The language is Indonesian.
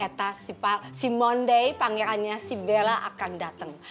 eta si monday pangerannya si bela akan dateng